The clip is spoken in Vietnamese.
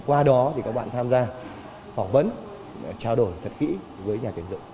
qua đó thì các bạn tham gia phỏng vấn trao đổi thật kỹ với nhà tuyển dụng